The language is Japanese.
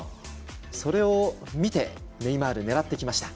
それを見てネイマール、狙っていきました。